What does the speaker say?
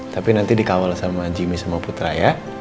tapi nanti dikawal sama jimmy semua putra ya